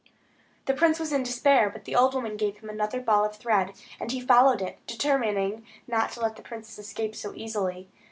The prince was in despair; but the old woman gave him another ball of thread, and he again followed it, determining not to let the princess escape again so easily.